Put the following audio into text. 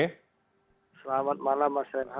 selamat malam mas renha